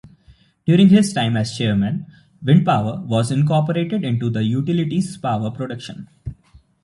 During his time as chairman, wind power was incorporated into the utility's power production.